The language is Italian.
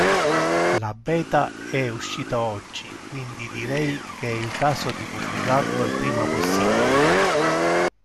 La beta è uscita oggi quindi direi che è il caso di pubblicarlo il prima possibile.